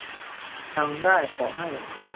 ยังได้ขอให้